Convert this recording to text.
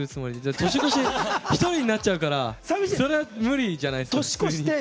途中、１人になっちゃうからそれは無理じゃないですか。